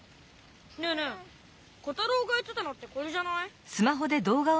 ねえねえ小太郎がやってたのってこれじゃない？